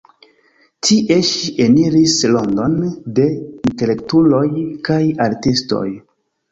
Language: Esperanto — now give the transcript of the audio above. Tie ŝi eniris rondon de intelektuloj kaj artistoj.